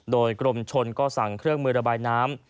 โดยกรมชนก็สั่งเครื่องมือระบายน้ำ